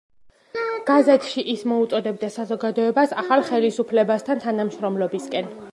გაზეთში ის მოუწოდებდა საზოგადოებას ახალ ხელისუფლებასთან თანამშრომლობისკენ.